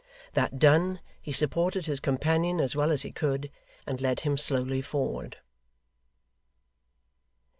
That done, he supported his companion as well as he could, and led him slowly forward.